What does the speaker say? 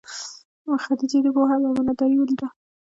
خدیجې دده پوهه او امانت داري ولیده.